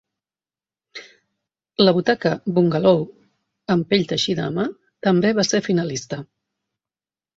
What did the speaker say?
La butaca Bungalow amb pell teixida a mà també va ser finalista.